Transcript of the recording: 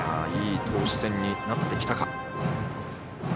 いい投手戦になってきたか。